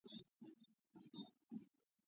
ბრაზილიის სოციალ-დემოკრატიული პარტიის დამაარსებელი.